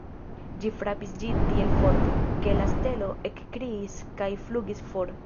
Ĝi frapis ĝin tiel forte, ke la stelo ekkriis kaj flugis for.